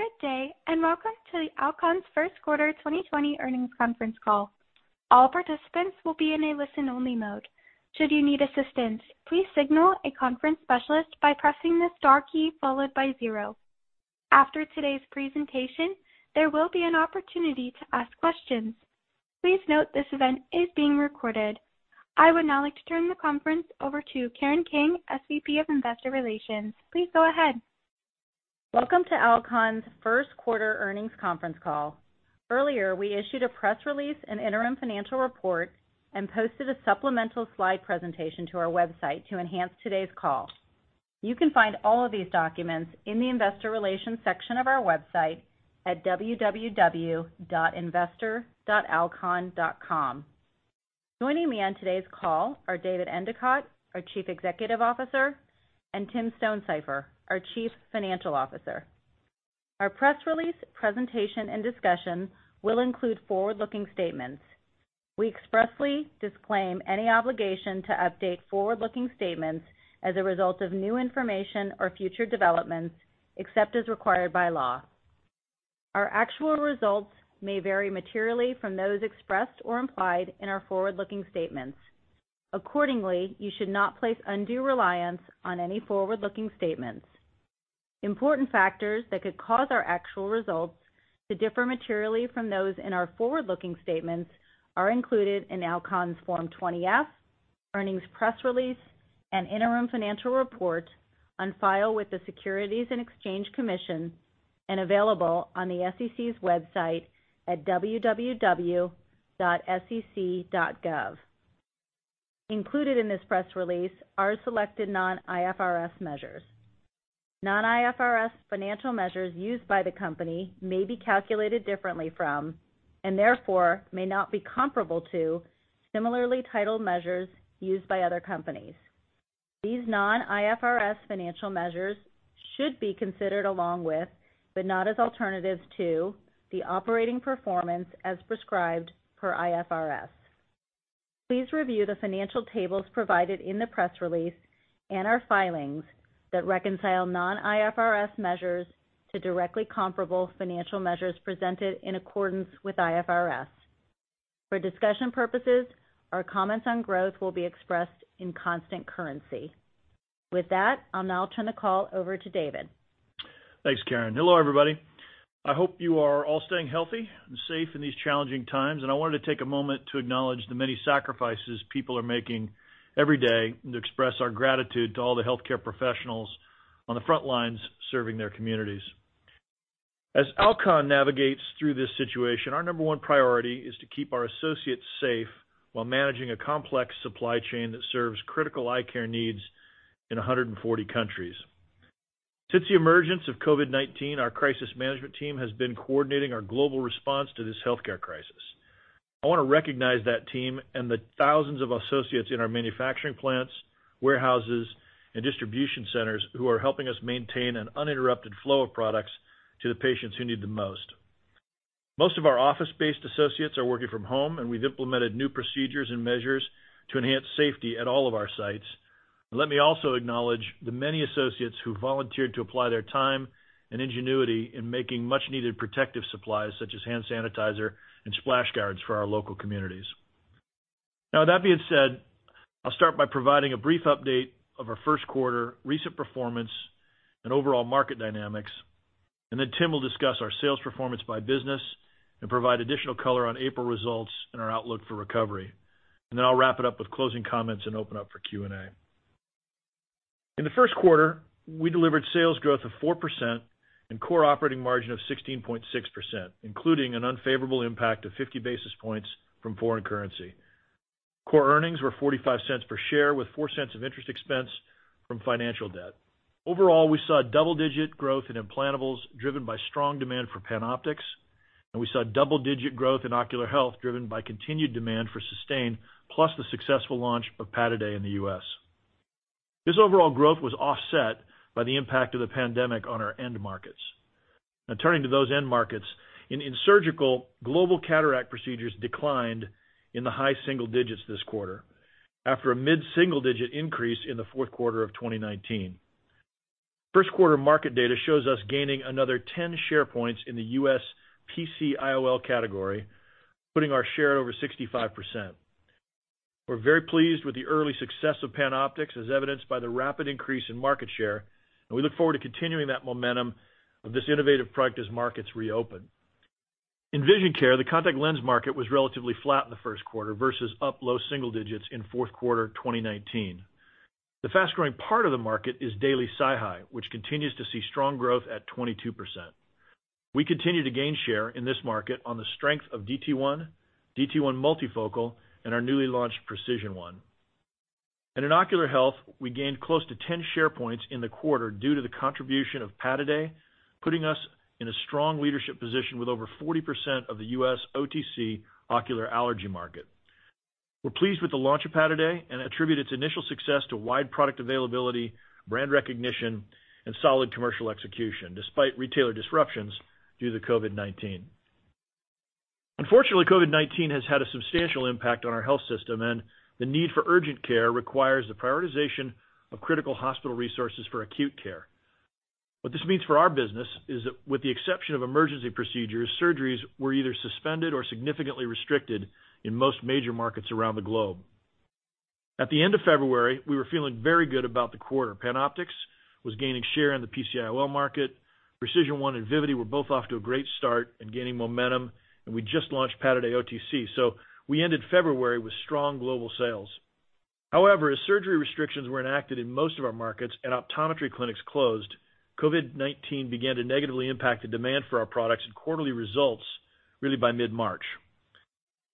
Good day, and welcome to the Alcon's first quarter 2020 earnings conference call. All participants will be in a listen-only mode. Should you need assistance, please signal a conference specialist by pressing the star key followed by zero. After today's presentation, there will be an opportunity to ask questions. Please note this event is being recorded. I would now like to turn the conference over to Karen King, SVP of Investor Relations. Please go ahead. Welcome to Alcon's first quarter earnings conference call. Earlier, we issued a press release and interim financial report and posted a supplemental slide presentation to our website to enhance today's call. You can find all of these documents in the Investor Relations section of our website at www.investor.alcon.com. Joining me on today's call are David Endicott, our Chief Executive Officer, and Tim Stonesifer, our Chief Financial Officer. Our press release presentation and discussion will include forward-looking statements. We expressly disclaim any obligation to update forward-looking statements as a result of new information or future developments, except as required by law. Our actual results may vary materially from those expressed or implied in our forward-looking statements. Accordingly, you should not place undue reliance on any forward-looking statements. Important factors that could cause our actual results to differ materially from those in our forward-looking statements are included in Alcon's Form 20-F, earnings press release, and interim financial report on file with the Securities and Exchange Commission and available on the SEC's website at www.sec.gov. Included in this press release are selected non-IFRS measures. Non-IFRS financial measures used by the company may be calculated differently from, and therefore may not be comparable to, similarly titled measures used by other companies. These non-IFRS financial measures should be considered along with, but not as alternatives to, the operating performance as prescribed per IFRS. Please review the financial tables provided in the press release and our filings that reconcile non-IFRS measures to directly comparable financial measures presented in accordance with IFRS. For discussion purposes, our comments on growth will be expressed in constant currency. With that, I'll now turn the call over to David. Thanks, Karen. Hello, everybody. I hope you are all staying healthy and safe in these challenging times, and I wanted to take a moment to acknowledge the many sacrifices people are making every day and to express our gratitude to all the healthcare professionals on the front lines serving their communities. As Alcon navigates through this situation, our number one priority is to keep our associates safe while managing a complex supply chain that serves critical eye care needs in 140 countries. Since the emergence of COVID-19, our crisis management team has been coordinating our global response to this healthcare crisis. I want to recognize that team and the thousands of associates in our manufacturing plants, warehouses, and distribution centers who are helping us maintain an uninterrupted flow of products to the patients who need the most. Most of our office-based associates are working from home, and we've implemented new procedures and measures to enhance safety at all of our sites. Let me also acknowledge the many associates who volunteered to apply their time and ingenuity in making much-needed protective supplies such as hand sanitizer and splash guards for our local communities. That being said, I'll start by providing a brief update of our first quarter, recent performance, and overall market dynamics, and then Tim will discuss our sales performance by business and provide additional color on April results and our outlook for recovery. I'll wrap it up with closing comments and open up for Q&A. In the first quarter, we delivered sales growth of 4% and core operating margin of 16.6%, including an unfavorable impact of 50 basis points from foreign currency. Core earnings were $0.45 per share with $0.04 of interest expense from financial debt. We saw double-digit growth in implantables driven by strong demand for PanOptix, and we saw double-digit growth in ocular health driven by continued demand for Systane, plus the successful launch of Pataday in the U.S. This overall growth was offset by the impact of the pandemic on our end markets. Turning to those end markets. In surgical, global cataract procedures declined in the high single digits this quarter after a mid-single-digit increase in the fourth quarter of 2019. First quarter market data shows us gaining another 10 share points in the U.S. PC IOL category, putting our share over 65%. We're very pleased with the early success of PanOptix, as evidenced by the rapid increase in market share, and we look forward to continuing that momentum of this innovative product as markets reopen. In vision care, the contact lens market was relatively flat in the first quarter versus up low single digits in fourth quarter 2019. The fast-growing part of the market is daily SiHy, which continues to see strong growth at 22%. We continue to gain share in this market on the strength of DT1, DT1 multifocal, and our newly launched PRECISION1. In ocular health, we gained close to 10 share points in the quarter due to the contribution of Pataday, putting us in a strong leadership position with over 40% of the U.S. OTC ocular allergy market. We're pleased with the launch of Pataday and attribute its initial success to wide product availability, brand recognition, and solid commercial execution despite retailer disruptions due to COVID-19. Unfortunately, COVID-19 has had a substantial impact on our health system, and the need for urgent care requires the prioritization of critical hospital resources for acute care. What this means for our business is that with the exception of emergency procedures, surgeries were either suspended or significantly restricted in most major markets around the globe. At the end of February, we were feeling very good about the quarter. PanOptix was gaining share in the PCIOL market. PRECISION1 and Vivity were both off to a great start and gaining momentum, and we just launched Pataday OTC. We ended February with strong global sales. However, as surgery restrictions were enacted in most of our markets and optometry clinics closed, COVID-19 began to negatively impact the demand for our products and quarterly results really by mid-March.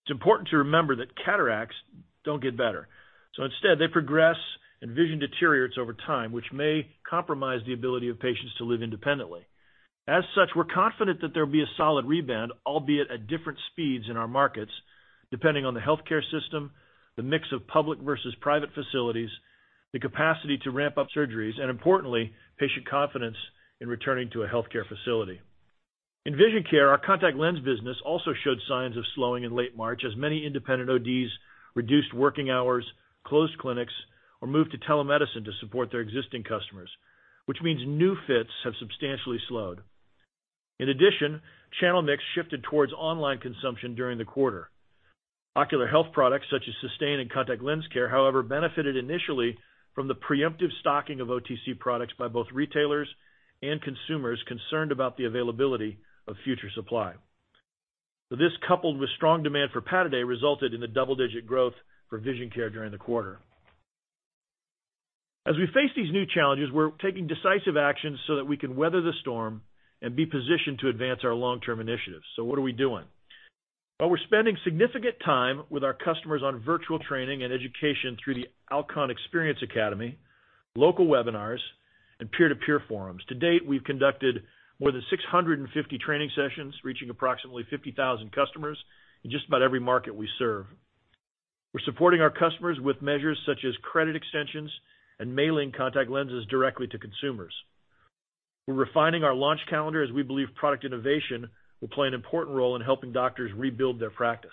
It's important to remember that cataracts don't get better. Instead, they progress and vision deteriorates over time, which may compromise the ability of patients to live independently. As such, we're confident that there will be a solid rebound, albeit at different speeds in our markets, depending on the healthcare system, the mix of public versus private facilities, the capacity to ramp up surgeries, and importantly, patient confidence in returning to a healthcare facility. In vision care, our contact lens business also showed signs of slowing in late March as many independent ODs reduced working hours, closed clinics, or moved to telemedicine to support their existing customers, which means new fits have substantially slowed. In addition, channel mix shifted towards online consumption during the quarter. Ocular health products such as Systane and contact lens care, however, benefited initially from the preemptive stocking of OTC products by both retailers and consumers concerned about the availability of future supply. This, coupled with strong demand for Pataday, resulted in the double-digit growth for vision care during the quarter. As we face these new challenges, we're taking decisive action so that we can weather the storm and be positioned to advance our long-term initiatives. What are we doing? Well, we're spending significant time with our customers on virtual training and education through the Alcon Experience Academy, local webinars, and peer-to-peer forums. To date, we've conducted more than 650 training sessions, reaching approximately 50,000 customers in just about every market we serve. We're supporting our customers with measures such as credit extensions and mailing contact lenses directly to consumers. We're refining our launch calendar as we believe product innovation will play an important role in helping doctors rebuild their practice.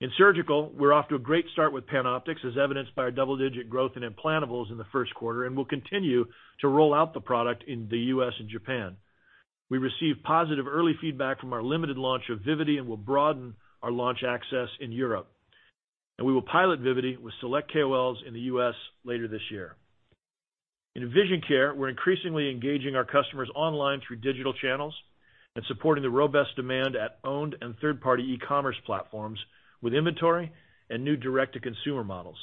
In surgical, we're off to a great start with PanOptix, as evidenced by our double-digit growth in implantables in the first quarter, and will continue to roll out the product in the U.S. and Japan. We received positive early feedback from our limited launch of Vivity and will broaden our launch access in Europe. We will pilot Vivity with select KOLs in the U.S. later this year. In vision care, we're increasingly engaging our customers online through digital channels and supporting the robust demand at owned and third-party e-commerce platforms with inventory and new direct-to-consumer models.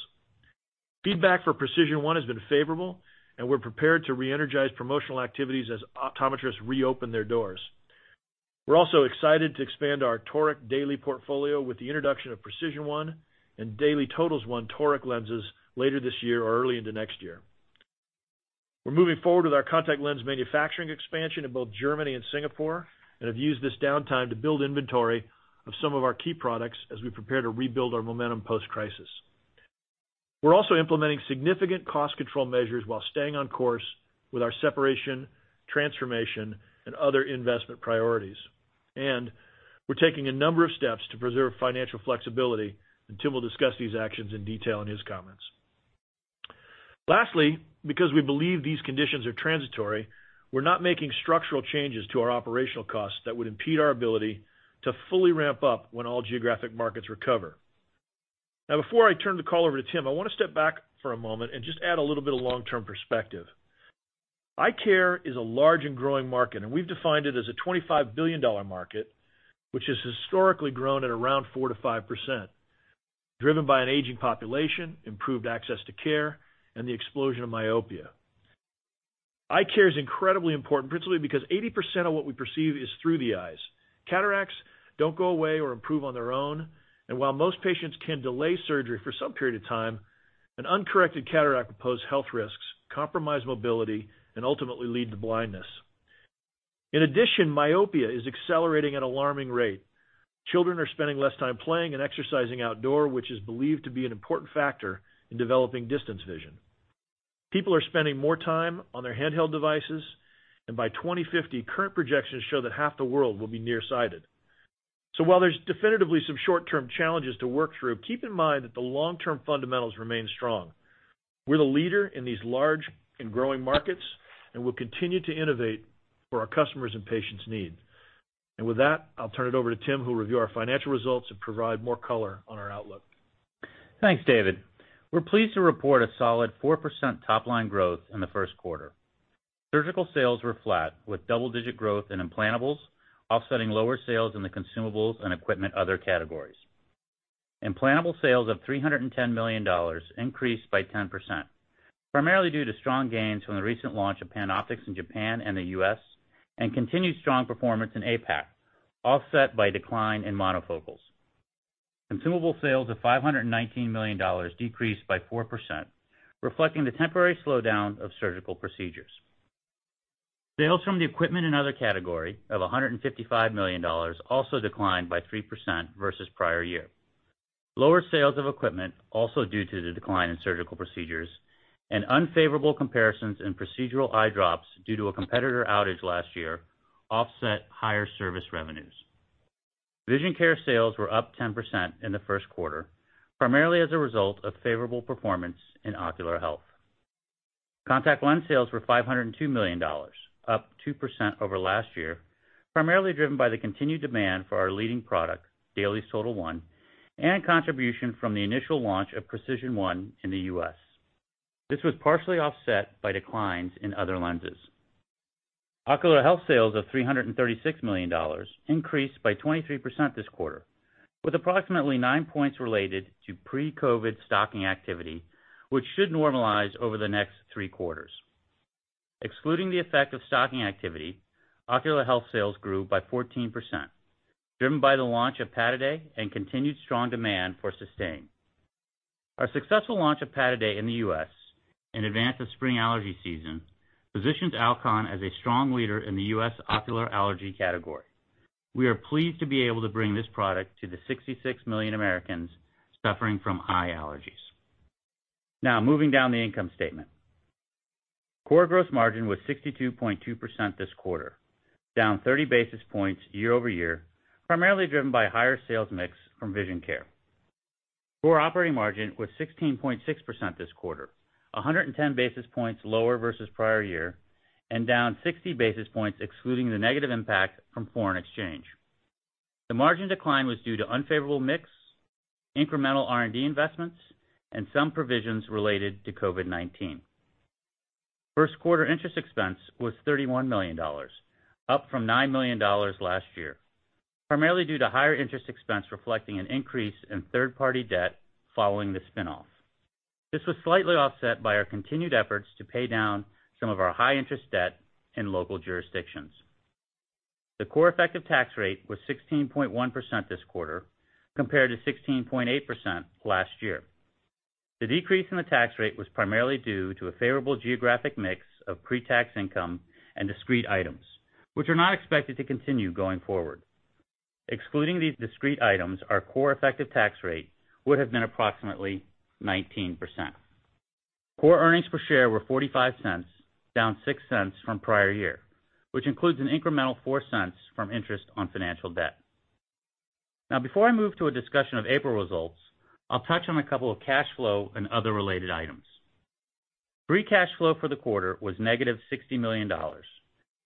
Feedback for PRECISION1 has been favorable, and we're prepared to reenergize promotional activities as optometrists reopen their doors. We're also excited to expand our toric daily portfolio with the introduction of PRECISION1 and DAILIES TOTAL1 toric lenses later this year or early into next year. We're moving forward with our contact lens manufacturing expansion in both Germany and Singapore and have used this downtime to build inventory of some of our key products as we prepare to rebuild our momentum post-crisis. We're also implementing significant cost control measures while staying on course with our separation, transformation, and other investment priorities. We're taking a number of steps to preserve financial flexibility, and Tim will discuss these actions in detail in his comments. Lastly, because we believe these conditions are transitory, we're not making structural changes to our operational costs that would impede our ability to fully ramp up when all geographic markets recover. Now, before I turn the call over to Tim, I want to step back for a moment and just add a little bit of long-term perspective. Eye care is a large and growing market, and we've defined it as a $25 billion market, which has historically grown at around 4%-5%, driven by an aging population, improved access to care, and the explosion of myopia. Eye care is incredibly important, principally because 80% of what we perceive is through the eyes. Cataracts don't go away or improve on their own. While most patients can delay surgery for some period of time, an uncorrected cataract can pose health risks, compromise mobility, and ultimately lead to blindness. In addition, myopia is accelerating at alarming rate. Children are spending less time playing and exercising outdoor, which is believed to be an important factor in developing distance vision. People are spending more time on their handheld devices, and by 2050, current projections show that half the world will be nearsighted. While there's definitively some short-term challenges to work through, keep in mind that the long-term fundamentals remain strong. We're the leader in these large and growing markets, and we'll continue to innovate for our customers and patients' needs. With that, I'll turn it over to Tim, who will review our financial results and provide more color on our outlook. Thanks, David. We're pleased to report a solid 4% top-line growth in the first quarter. Surgical sales were flat, with double-digit growth in implantables offsetting lower sales in the consumables and equipment other categories. Implantable sales of $310 million increased by 10%, primarily due to strong gains from the recent launch of PanOptix in Japan and the U.S., and continued strong performance in APAC, offset by decline in monofocals. Consumable sales of $519 million decreased by 4%, reflecting the temporary slowdown of surgical procedures. Sales from the equipment and other category of $155 million also declined by 3% versus prior year. Lower sales of equipment, also due to the decline in surgical procedures, and unfavorable comparisons in procedural eye drops due to a competitor outage last year, offset higher service revenues. Vision care sales were up 10% in the first quarter, primarily as a result of favorable performance in ocular health. Contact lens sales were $502 million, up 2% over last year, primarily driven by the continued demand for our leading product, DAILIES TOTAL1, and contribution from the initial launch of PRECISION1 in the U.S. This was partially offset by declines in other lenses. Ocular health sales of $336 million increased by 23% this quarter, with approximately nine points related to pre-COVID stocking activity, which should normalize over the next three quarters. Excluding the effect of stocking activity, ocular health sales grew by 14%, driven by the launch of Pataday and continued strong demand for Systane. Our successful launch of Pataday in the U.S., in advance of spring allergy season, positions Alcon as a strong leader in the U.S. ocular allergy category. We are pleased to be able to bring this product to the 66 million Americans suffering from eye allergies. Now, moving down the income statement. Core gross margin was 62.2% this quarter, down 30 basis points year-over-year, primarily driven by higher sales mix from vision care. Core operating margin was 16.6% this quarter, 110 basis points lower versus prior year, and down 60 basis points excluding the negative impact from foreign exchange. The margin decline was due to unfavorable mix, incremental R&D investments, and some provisions related to COVID-19. First quarter interest expense was $31 million, up from $9 million last year, primarily due to higher interest expense reflecting an increase in third-party debt following the spinoff. This was slightly offset by our continued efforts to pay down some of our high-interest debt in local jurisdictions. The core effective tax rate was 16.1% this quarter, compared to 16.8% last year. The decrease in the tax rate was primarily due to a favorable geographic mix of pre-tax income and discrete items, which are not expected to continue going forward. Excluding these discrete items, our core effective tax rate would have been approximately 19%. Core earnings per share were $0.45, down $0.06 from prior year, which includes an incremental $0.04 from interest on financial debt. Now before I move to a discussion of April results, I'll touch on a couple of cash flow and other related items. Free cash flow for the quarter was -$60 million,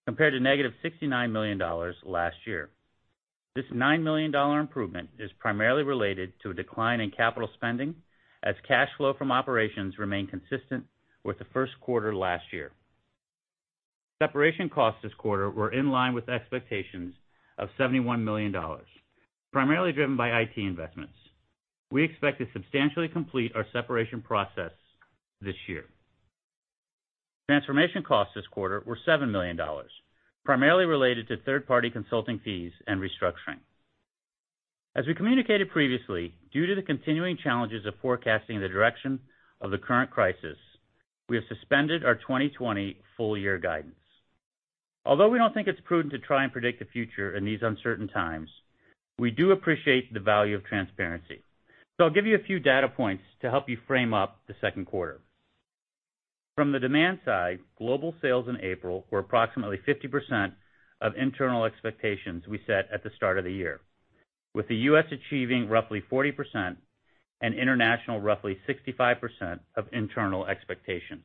compared to -$69 million last year. This $9 million improvement is primarily related to a decline in capital spending, as cash flow from operations remained consistent with the first quarter last year. Separation costs this quarter were in line with expectations of $71 million, primarily driven by IT investments. We expect to substantially complete our separation process this year. Transformation costs this quarter were $7 million, primarily related to third-party consulting fees and restructuring. As we communicated previously, due to the continuing challenges of forecasting the direction of the current crisis, we have suspended our 2020 full-year guidance. Although we don't think it's prudent to try and predict the future in these uncertain times, we do appreciate the value of transparency. I'll give you a few data points to help you frame up the second quarter. From the demand side, global sales in April were approximately 50% of internal expectations we set at the start of the year, with the U.S. achieving roughly 40% and international roughly 65% of internal expectations.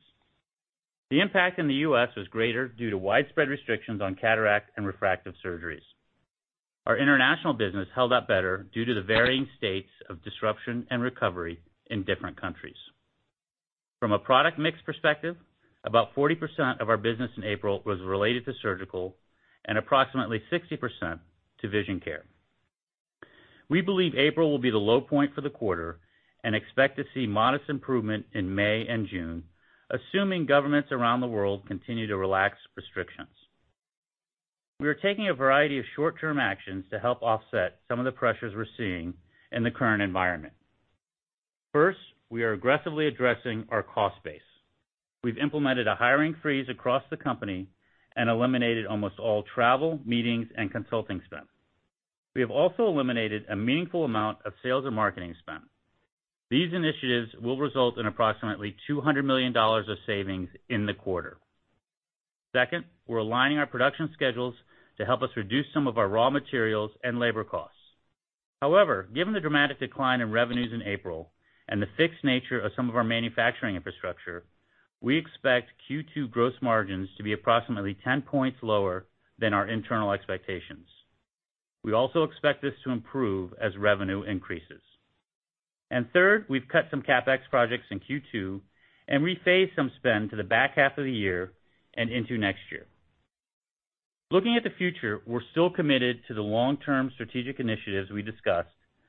The impact in the U.S. was greater due to widespread restrictions on cataract and refractive surgeries. Our international business held up better due to the varying states of disruption and recovery in different countries. From a product mix perspective, about 40% of our business in April was related to surgical and approximately 60% to vision care. We believe April will be the low point for the quarter and expect to see modest improvement in May and June, assuming governments around the world continue to relax restrictions. We are taking a variety of short-term actions to help offset some of the pressures we're seeing in the current environment. First, we are aggressively addressing our cost base. We've implemented a hiring freeze across the company and eliminated almost all travel, meetings, and consulting spend. We have also eliminated a meaningful amount of sales and marketing spend. These initiatives will result in approximately $200 million of savings in the quarter. Second, we're aligning our production schedules to help us reduce some of our raw materials and labor costs. However, given the dramatic decline in revenues in April and the fixed nature of some of our manufacturing infrastructure, we expect Q2 gross margins to be approximately 10 points lower than our internal expectations. We also expect this to improve as revenue increases. Third, we've cut some CapEx projects in Q2 and rephased some spend to the back half of the year and into next year. Looking at the future, we're still committed to the long-term strategic initiatives we discussed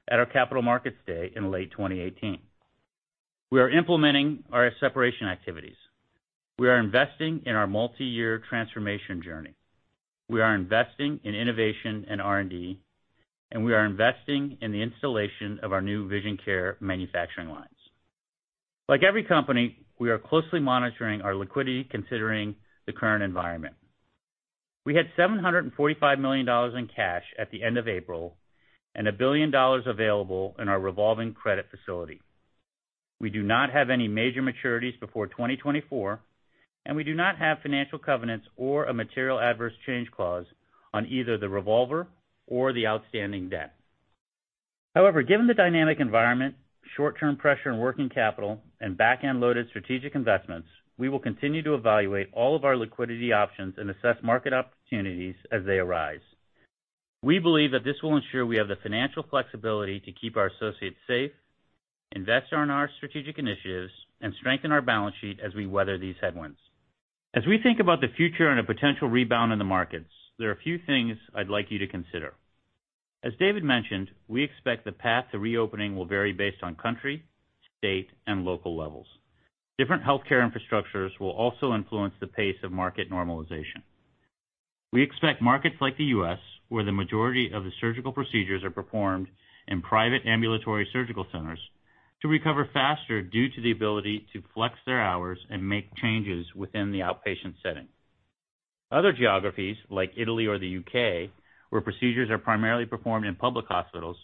at our capital markets day in late 2018. We are implementing our separation activities. We are investing in our multi-year transformation journey. We are investing in innovation and R&D, and we are investing in the installation of our new vision care manufacturing lines. Like every company, we are closely monitoring our liquidity considering the current environment. We had $745 million in cash at the end of April and $1 billion available in our revolving credit facility. We do not have any major maturities before 2024, and we do not have financial covenants or a material adverse change clause on either the revolver or the outstanding debt. However, given the dynamic environment, short-term pressure in working capital and backend-loaded strategic investments, we will continue to evaluate all of our liquidity options and assess market opportunities as they arise. We believe that this will ensure we have the financial flexibility to keep our associates safe, invest in our strategic initiatives and strengthen our balance sheet as we weather these headwinds. As we think about the future and a potential rebound in the markets, there are a few things I'd like you to consider. As David mentioned, we expect the path to reopening will vary based on country, state, and local levels. Different healthcare infrastructures will also influence the pace of market normalization. We expect markets like the U.S., where the majority of the surgical procedures are performed in private ambulatory surgical centers, to recover faster due to the ability to flex their hours and make changes within the outpatient setting. Other geographies, like Italy or the U.K., where procedures are primarily performed in public hospitals,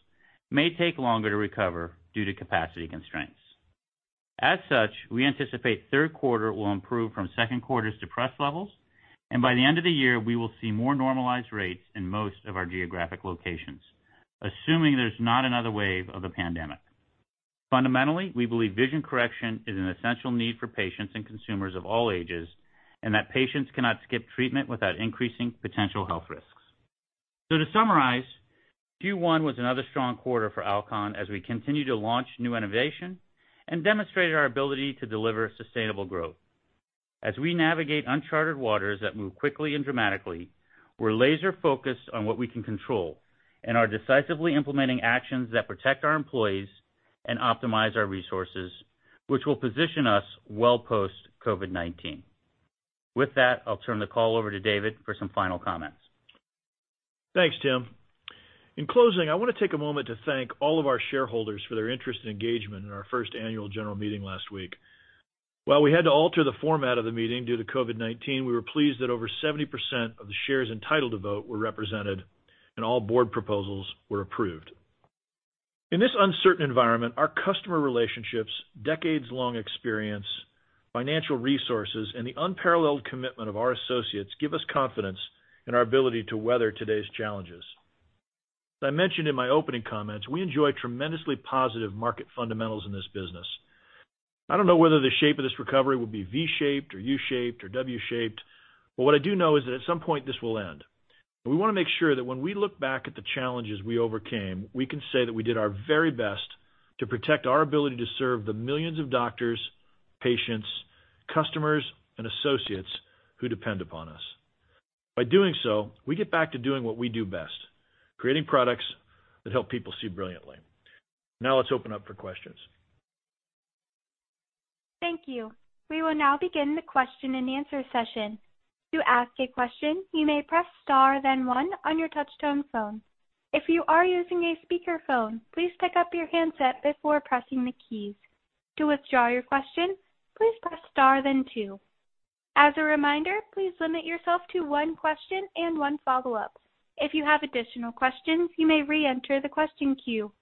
may take longer to recover due to capacity constraints. We anticipate third quarter will improve from second quarter's depressed levels, and by the end of the year, we will see more normalized rates in most of our geographic locations, assuming there's not another wave of the pandemic. Fundamentally, we believe vision correction is an essential need for patients and consumers of all ages, and that patients cannot skip treatment without increasing potential health risks. To summarize, Q1 was another strong quarter for Alcon as we continue to launch new innovation and demonstrated our ability to deliver sustainable growth. As we navigate uncharted waters that move quickly and dramatically, we're laser-focused on what we can control and are decisively implementing actions that protect our employees and optimize our resources, which will position us well post COVID-19. With that, I'll turn the call over to David for some final comments. Thanks, Tim. In closing, I want to take a moment to thank all of our shareholders for their interest and engagement in our first annual general meeting last week. While we had to alter the format of the meeting due to COVID-19, we were pleased that over 70% of the shares entitled to vote were represented, and all board proposals were approved. In this uncertain environment, our customer relationships, decades-long experience, financial resources, and the unparalleled commitment of our associates give us confidence in our ability to weather today's challenges. As I mentioned in my opening comments, we enjoy tremendously positive market fundamentals in this business. I don't know whether the shape of this recovery will be V-shaped or U-shaped or W-shaped, but what I do know is that at some point this will end. We want to make sure that when we look back at the challenges we overcame, we can say that we did our very best to protect our ability to serve the millions of doctors, patients, customers, and associates who depend upon us. By doing so, we get back to doing what we do best, creating products that help people see brilliantly. Let's open up for questions. Thank you. We will now begin the question and answer session. To ask a question, you may press star then one on your touch-tone phone. If you are using a speakerphone, please pick up your handset before pressing the keys. To withdraw your question, please press star then two. As a reminder, please limit yourself to one question and one follow-up. If you have additional questions, you may reenter the question queue.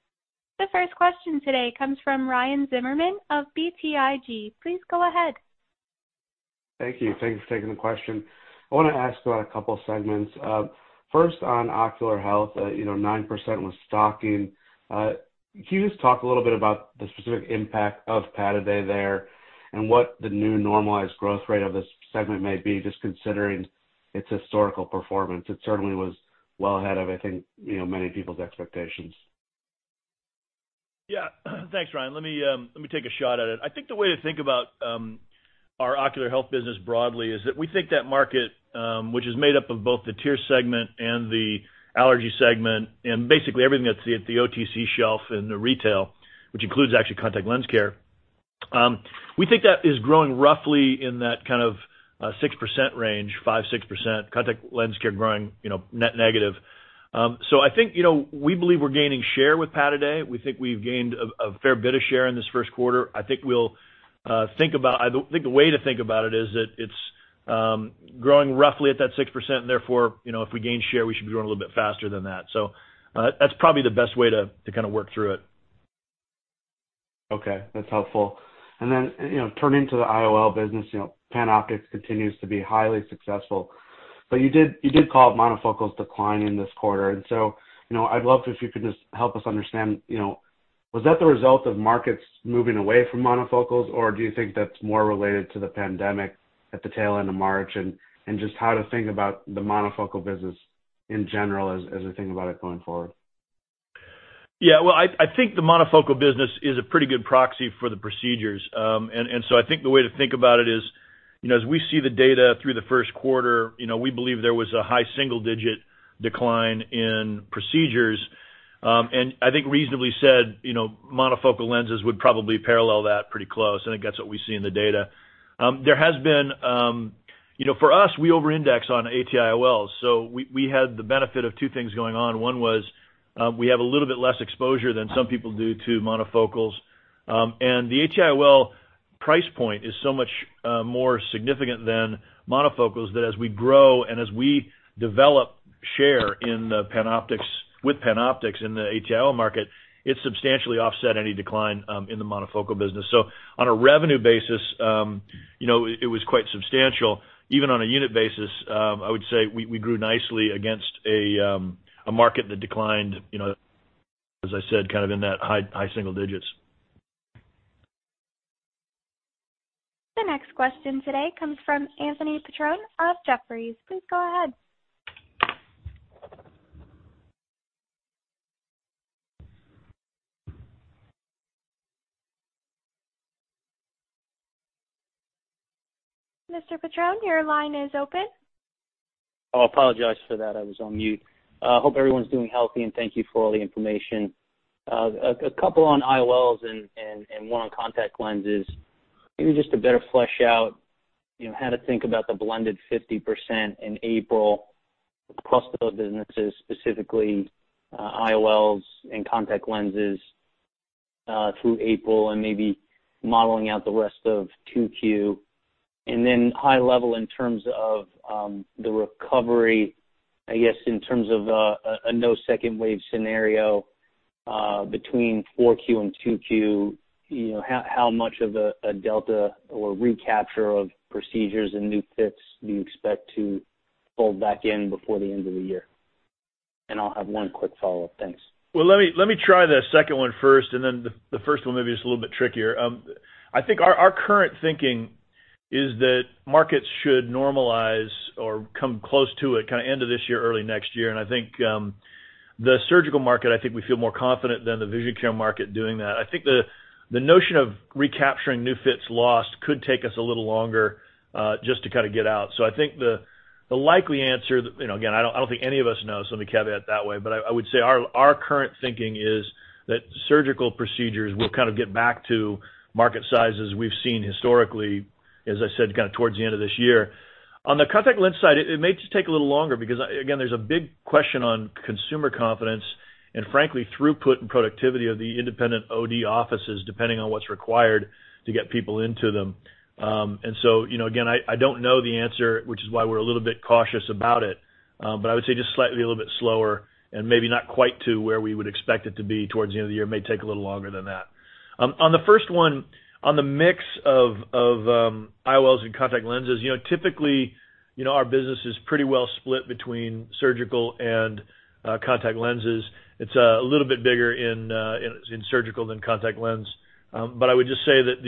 The first question today comes from Ryan Zimmerman of BTIG. Please go ahead. Thank you. Thanks for taking the question. I want to ask about a couple of segments. First, on ocular health, 9% was stocking. Can you just talk a little bit about the specific impact of Pataday there and what the new normalized growth rate of this segment may be, just considering its historical performance? It certainly was well ahead of, I think, many people's expectations. Thanks, Ryan. Let me take a shot at it. I think the way to think about our ocular health business broadly is that we think that market, which is made up of both the tear segment and the allergy segment and basically everything that's at the OTC shelf in the retail, which includes actually contact lens care. We think that is growing roughly in that kind of 6% range, 5%, 6%, contact lens care growing net negative. I think, we believe we're gaining share with Pataday. We think we've gained a fair bit of share in this first quarter. I think the way to think about it is that it's growing roughly at that 6%, and therefore, if we gain share, we should be growing a little bit faster than that. That's probably the best way to kind of work through it. Okay. That's helpful. Turning to the IOL business, PanOptix continues to be highly successful. You did call out monofocals decline in this quarter. I'd love if you could just help us understand, was that the result of markets moving away from monofocals, or do you think that's more related to the pandemic at the tail end of March, and just how to think about the monofocal business in general as we think about it going forward? Well, I think the monofocal business is a pretty good proxy for the procedures. I think the way to think about it is, as we see the data through the first quarter, we believe there was a high single-digit decline in procedures. I think reasonably said, monofocal lenses would probably parallel that pretty close, and I think that's what we see in the data. For us, we over-index on ATIOLs, so we had the benefit of two things going on. One was, we have a little bit less exposure than some people do to monofocals. The ATIOL price point is so much more significant than monofocals that as we grow and as we develop share with PanOptix in the PCIOL market, it substantially offset any decline in the monofocal business. On a revenue basis, it was quite substantial. Even on a unit basis, I would say we grew nicely against a market that declined, as I said, kind of in that high single digits. The next question today comes from Anthony Petrone of Jefferies. Please go ahead. Mr. Petrone, your line is open. Oh, I apologize for that. I was on mute. Hope everyone's doing healthy, and thank you for all the information. A couple on IOLs and one on contact lenses. Maybe just to better flesh out how to think about the blended 50% in April across those businesses, specifically, IOLs and contact lenses through April, and maybe modeling out the rest of 2Q. High level in terms of the recovery, I guess, in terms of a no second wave scenario between 4Q and 2Q, how much of a delta or recapture of procedures and new fits do you expect to fold back in before the end of the year? I'll have one quick follow-up. Thanks. Well, let me try the second one first, and then the first one maybe is a little bit trickier. I think our current thinking is that markets should normalize or come close to it kind of end of this year, early next year, and I think the surgical market, I think we feel more confident than the vision care market doing that. I think the notion of recapturing new fits lost could take us a little longer, just to kind of get out. I think the likely answer, again, I don't think any of us know, so let me caveat that way, but I would say our current thinking is that surgical procedures will kind of get back to market sizes we've seen historically, as I said, kind of towards the end of this year. On the contact lens side, it may just take a little longer because, again, there's a big question on consumer confidence and frankly, throughput and productivity of the independent OD offices, depending on what's required to get people into them. Again, I don't know the answer, which is why we're a little bit cautious about it. I would say just slightly a little bit slower and maybe not quite to where we would expect it to be towards the end of the year. It may take a little longer than that. On the first one, on the mix of IOLs and contact lenses, typically, our business is pretty well split between surgical and contact lenses. It's a little bit bigger in surgical than contact lens. I would just say that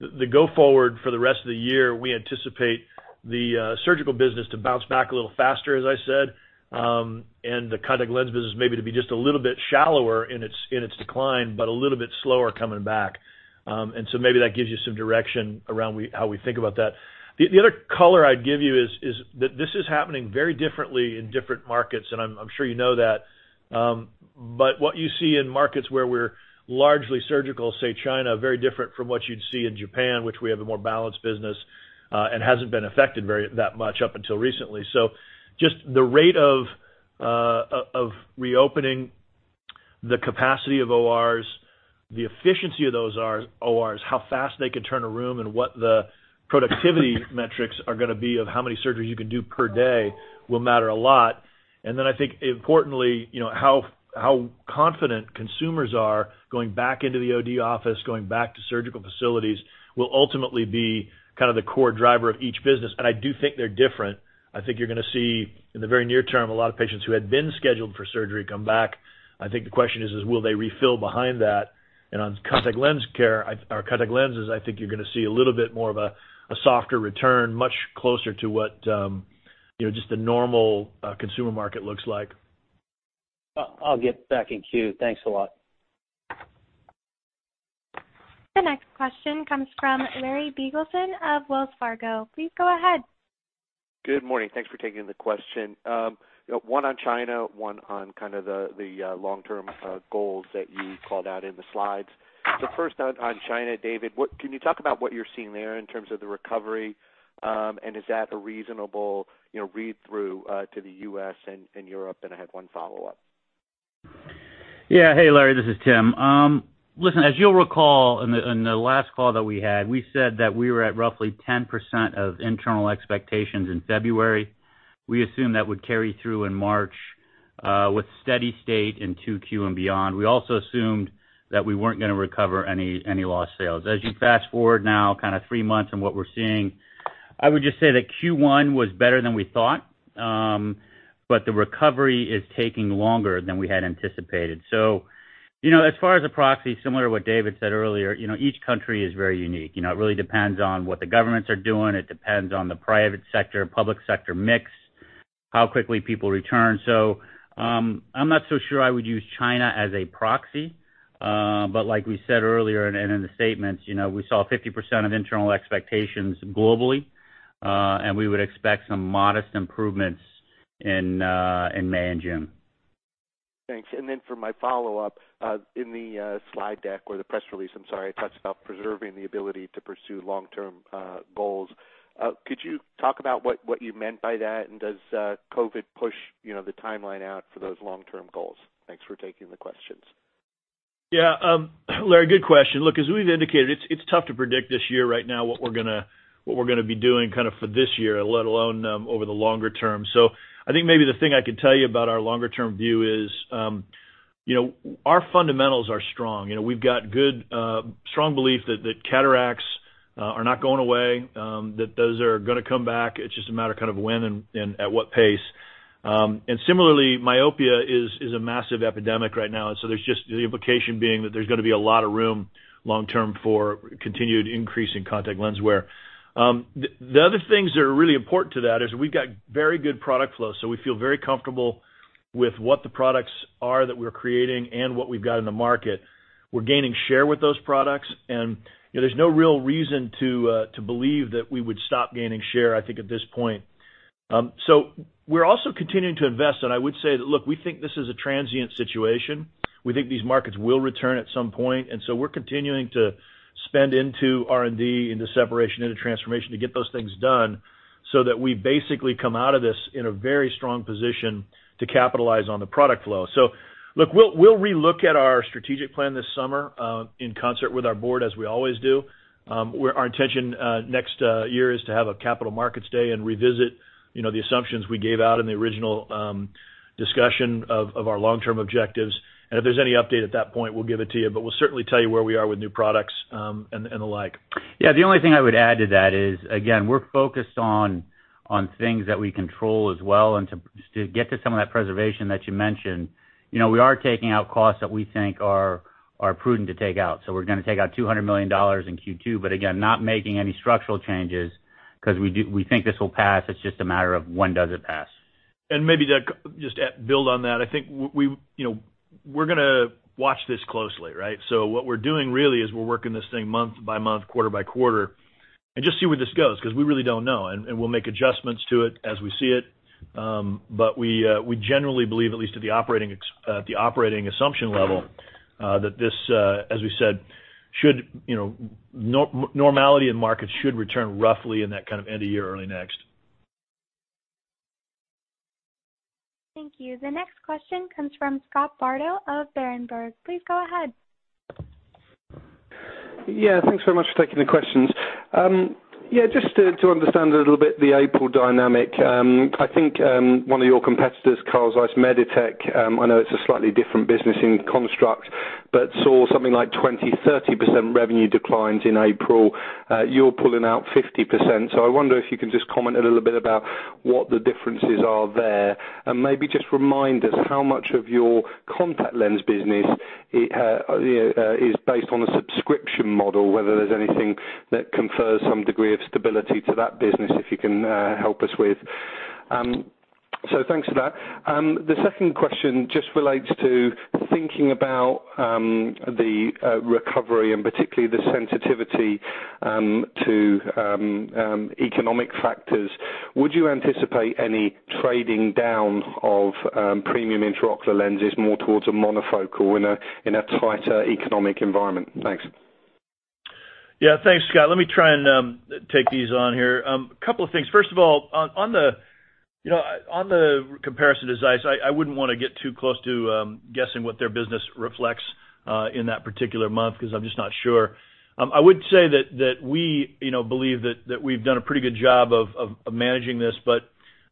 the go forward for the rest of the year, we anticipate the surgical business to bounce back a little faster, as I said, and the contact lens business maybe to be just a little bit shallower in its decline, but a little bit slower coming back. Maybe that gives you some direction around how we think about that. The other color I'd give you is that this is happening very differently in different markets, and I'm sure you know that. What you see in markets where we're largely surgical, say China, very different from what you'd see in Japan, which we have a more balanced business, and hasn't been affected that much up until recently. Just the rate of reopening the capacity of ORs, the efficiency of those ORs, how fast they can turn a room, and what the productivity metrics are going to be of how many surgeries you can do per day will matter a lot. Then I think importantly, how confident consumers are going back into the OD office, going back to surgical facilities, will ultimately be kind of the core driver of each business. I do think they're different. I think you're going to see in the very near term, a lot of patients who had been scheduled for surgery come back. I think the question is, will they refill behind that? On contact lens care or contact lenses, I think you're going to see a little bit more of a softer return, much closer to what just a normal consumer market looks like. I'll get back in queue. Thanks a lot. The next question comes from Larry Biegelsen of Wells Fargo. Please go ahead. Good morning. Thanks for taking the question. One on China, one on kind of the long-term goals that you called out in the slides. First on China, David, can you talk about what you're seeing there in terms of the recovery? Is that a reasonable read-through to the U.S. and Europe? I have one follow-up. Yeah. Hey, Larry, this is Tim. Listen, as you will recall, in the last call that we had, we said that we were at roughly 10% of internal expectations in February. We assumed that would carry through in March, with steady state in 2Q and beyond. We also assumed that we were not going to recover any lost sales. As you fast-forward now kind of three months on what we are seeing, I would just say that Q1 was better than we thought. The recovery is taking longer than we had anticipated. As far as a proxy, similar to what David said earlier, each country is very unique. It really depends on what the governments are doing. It depends on the private sector, public sector mix, how quickly people return. I am not so sure I would use China as a proxy. Like we said earlier and in the statements, we saw 50% of internal expectations globally. We would expect some modest improvements in May and June. Thanks. For my follow-up, in the slide deck or the press release, I'm sorry, it talks about preserving the ability to pursue long-term goals. Could you talk about what you meant by that, and does COVID push the timeline out for those long-term goals? Thanks for taking the question. Yeah. Larry, good question. Look, as we've indicated, it's tough to predict this year right now what we're going to be doing kind of for this year, let alone over the longer term. I think maybe the thing I could tell you about our longer-term view is our fundamentals are strong. We've got good strong belief that cataracts are not going away, that those are going to come back. It's just a matter of when and at what pace. Similarly, myopia is a massive epidemic right now. There's just the implication being that there's going to be a lot of room long term for continued increase in contact lens wear. The other things that are really important to that is we've got very good product flow. We feel very comfortable with what the products are that we're creating and what we've got in the market. We're gaining share with those products, and there's no real reason to believe that we would stop gaining share, I think, at this point. We're also continuing to invest, and I would say that, look, we think this is a transient situation. We think these markets will return at some point. We're continuing to spend into R&D, into separation, into transformation to get those things done so that we basically come out of this in a very strong position to capitalize on the product flow. Look, we'll re-look at our strategic plan this summer, in concert with our board as we always do. Our intention next year is to have a capital markets day and revisit the assumptions we gave out in the original discussion of our long-term objectives. If there's any update at that point, we'll give it to you, but we'll certainly tell you where we are with new products and the like. Yeah. The only thing I would add to that is, again, we're focused on things that we control as well, and to get to some of that preservation that you mentioned. We are taking out costs that we think are prudent to take out. We're going to take out $200 million in Q2, but again, not making any structural changes because we think this will pass. It's just a matter of when does it pass. Maybe just to build on that, I think we're going to watch this closely, right? What we're doing really is we're working this thing month by month, quarter by quarter, and just see where this goes, because we really don't know. We'll make adjustments to it as we see it. We generally believe, at least at the operating assumption level, that this, as we said, normality in markets should return roughly in that kind of end of year, early next. Thank you. The next question comes from Scott Bardo of Berenberg. Please go ahead. Thanks very much for taking the questions. Just to understand a little bit the April dynamic. One of your competitors, Carl Zeiss Meditec, I know it's a slightly different business in construct, saw something like 20%-30% revenue declines in April. You're pulling out 50%. I wonder if you can just comment a little bit about what the differences are there, and maybe just remind us how much of your contact lens business is based on a subscription model, whether there's anything that confers some degree of stability to that business, if you can help us with. Thanks for that. The second question just relates to thinking about the recovery and particularly the sensitivity to economic factors. Would you anticipate any trading down of premium intraocular lenses more towards a monofocal in a tighter economic environment? Thanks. Yeah. Thanks, Scott. Let me try and take these on here. A couple of things. First of all, on the comparison to Zeiss, I wouldn't want to get too close to guessing what their business reflects in that particular month because I'm just not sure. I would say that we believe that we've done a pretty good job of managing this, but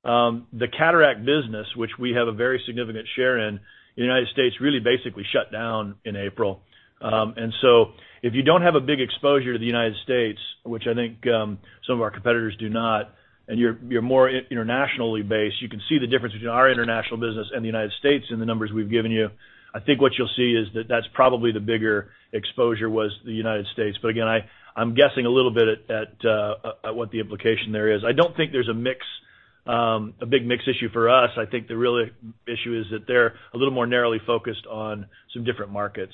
the cataract business, which we have a very significant share in, United States really basically shut down in April. If you don't have a big exposure to the United States, which I think some of our competitors do not, and you're more internationally based, you can see the difference between our international business and the United States in the numbers we've given you. I think what you'll see is that that's probably the bigger exposure was the United States. Again, I'm guessing a little bit at what the implication there is. I don't think there's a big mix issue for us. I think the real issue is that they're a little more narrowly focused on some different markets.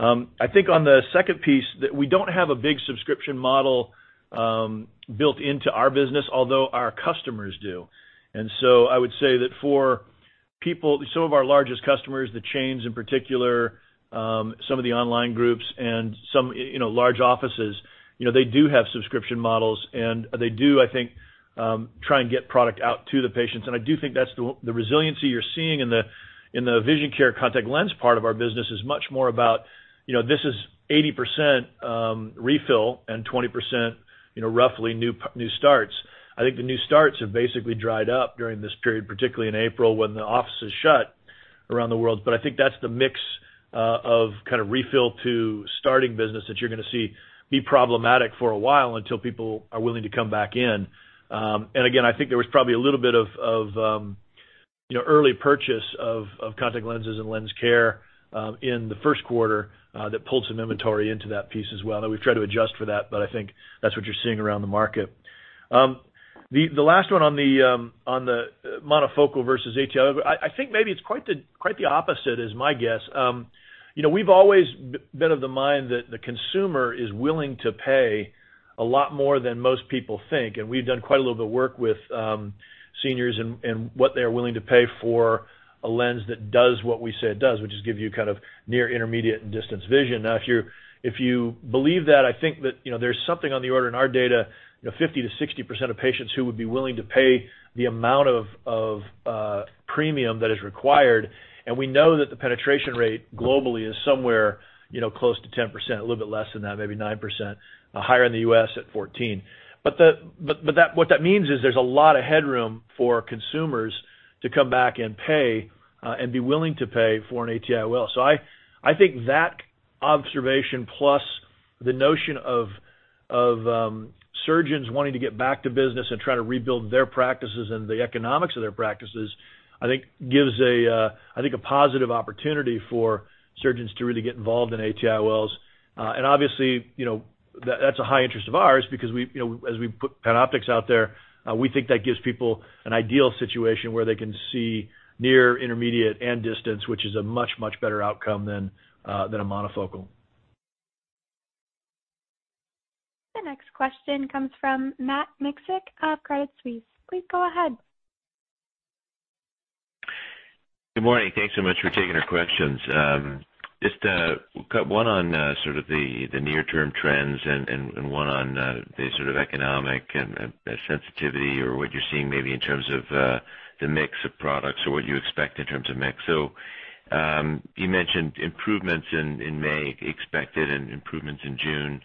I think on the second piece, that we don't have a big subscription model built into our business, although our customers do. I would say that for some of our largest customers, the chains in particular, some of the online groups, and some large offices, they do have subscription models, and they do, I think, try and get product out to the patients. I do think that the resiliency you're seeing in the vision care contact lens part of our business is much more about, this is 80% refill and 20%, roughly new starts. I think the new starts have basically dried up during this period, particularly in April when the offices shut around the world. I think that's the mix of kind of refill to starting business that you're going to see be problematic for a while until people are willing to come back in. Again, I think there was probably a little bit of early purchase of contact lenses and lens care in the first quarter that pulled some inventory into that piece as well. We've tried to adjust for that, but I think that's what you're seeing around the market. The last one on the monofocal versus ATIOL, I think maybe it's quite the opposite is my guess. We've always been of the mind that the consumer is willing to pay a lot more than most people think, and we've done quite a little bit of work with seniors and what they're willing to pay for a lens that does what we say it does, which is give you kind of near intermediate and distance vision. If you believe that, I think that there's something on the order in our data, 50%-60% of patients who would be willing to pay the amount of premium that is required. We know that the penetration rate globally is somewhere close to 10%, a little bit less than that, maybe 9%, higher in the U.S. at 14%. What that means is there's a lot of headroom for consumers to come back and pay and be willing to pay for an ATIOL. I think that observation plus the notion of surgeons wanting to get back to business and try to rebuild their practices and the economics of their practices, I think gives a positive opportunity for surgeons to really get involved in ATIOLs. Obviously, that's a high interest of ours because as we put PanOptix out there, we think that gives people an ideal situation where they can see near, intermediate, and distance, which is a much better outcome than a monofocal. The next question comes from Matt Miksic of Credit Suisse. Please go ahead. Good morning. Thanks so much for taking our questions. Just one on sort of the near-term trends and one on the sort of economic and sensitivity or what you're seeing maybe in terms of the mix of products or what you expect in terms of mix. You mentioned improvements in May, expected and improvements in June.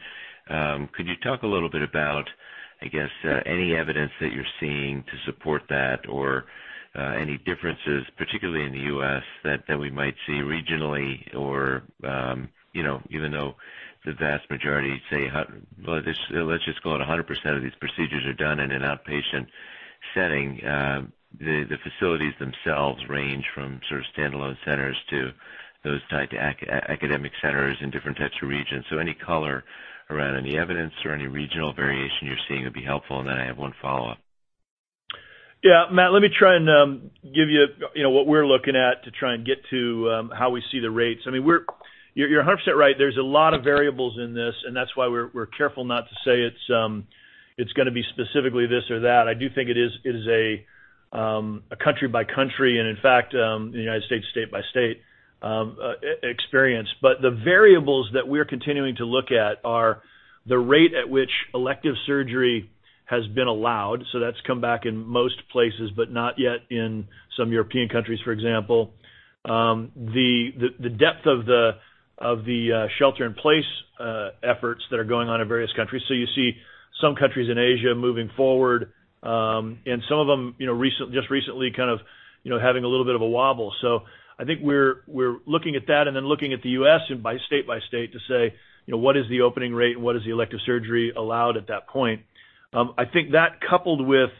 Could you talk a little bit about, I guess, any evidence that you're seeing to support that or any differences, particularly in the U.S. that we might see regionally or even though the vast majority say, well, let's just call it 100% of these procedures are done in an outpatient setting, the facilities themselves range from sort of standalone centers to those tied to academic centers in different types of regions. Any color around any evidence or any regional variation you're seeing would be helpful. I have one follow-up. Yeah. Matt, let me try and give you what we're looking at to try and get to how we see the rates. You're 100% right. There's a lot of variables in this, and that's why we're careful not to say it's going to be specifically this or that. I do think it is a country by country, and in fact, in the U.S., state by state experience. The variables that we're continuing to look at are the rate at which elective surgery has been allowed. That's come back in most places, but not yet in some European countries, for example. The depth of the shelter-in-place efforts that are going on in various countries. You see some countries in Asia moving forward, and some of them just recently kind of having a little bit of a wobble. I think we're looking at that and then looking at the U.S. and by state to say, what is the opening rate and what is the elective surgery allowed at that point? I think that coupled with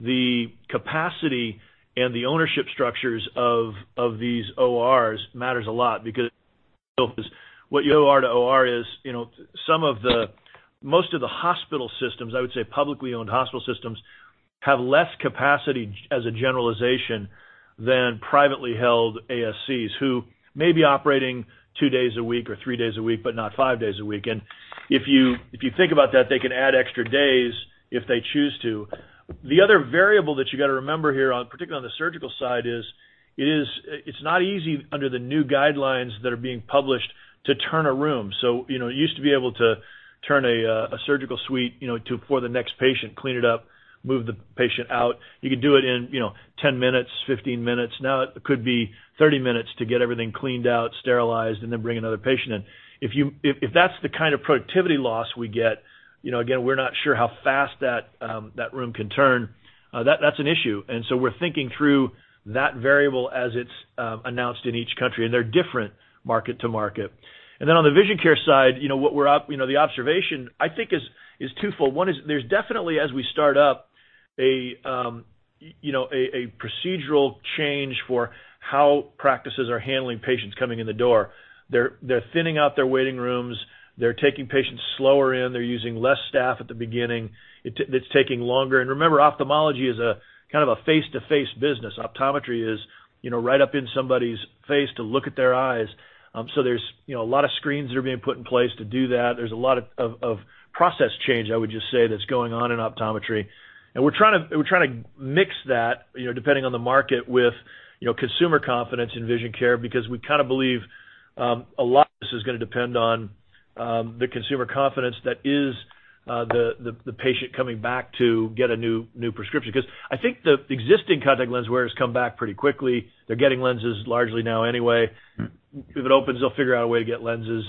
the capacity and the ownership structures of these ORs matters a lot because, what you OR to OR is, most of the hospital systems, I would say publicly-owned hospital systems, have less capacity as a generalization than privately held ASCs who may be operating two days a week or three days a week, but not five days a week. If you think about that, they can add extra days if they choose to. The other variable that you got to remember here on, particularly on the surgical side is, it's not easy under the new guidelines that are being published to turn a room. You used to be able to turn a surgical suite for the next patient, clean it up, move the patient out. You could do it in 10 minutes, 15 minutes. Now it could be 30 minutes to get everything cleaned out, sterilized, and then bring another patient in. If that's the kind of productivity loss we get, again, we're not sure how fast that room can turn. That's an issue. We're thinking through that variable as it's announced in each country, and they're different market to market. On the vision care side, the observation I think is twofold. One is there's definitely, as we start up, a procedural change for how practices are handling patients coming in the door. They're thinning out their waiting rooms. They're taking patients slower in. They're using less staff at the beginning. It's taking longer. Remember, ophthalmology is kind of a face-to-face business. Optometry is right up in somebody's face to look at their eyes. There's a lot of screens that are being put in place to do that. There's a lot of process change, I would just say, that's going on in optometry. We're trying to mix that, depending on the market with consumer confidence in vision care, because we kind of believe a lot of this is going to depend on the consumer confidence that is the patient coming back to get a new prescription. I think the existing contact lens wearers come back pretty quickly. They're getting lenses largely now anyway. If it opens, they'll figure out a way to get lenses.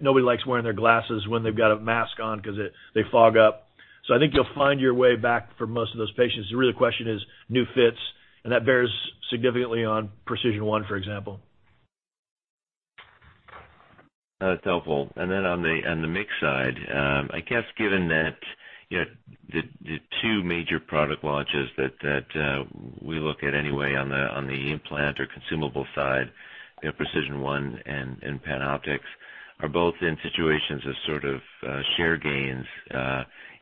Nobody likes wearing their glasses when they've got a mask on because they fog up. I think you'll find your way back for most of those patients. The real question is new fits, and that bears significantly on PRECISION1, for example. That's helpful. Then on the mix side, I guess given that the two major product launches that we look at anyway on the implant or consumable side, PRECISION1 and PanOptix, are both in situations of sort of share gains